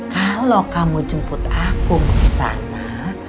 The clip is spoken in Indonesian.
kalau kamu jemput akum ke sana